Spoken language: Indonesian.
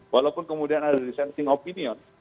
walaupun kemudian ada dissenting opinion